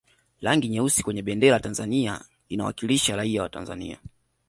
rangi nyeusi kwenye bendera ya tanzania inawakilisha raia wa tanzania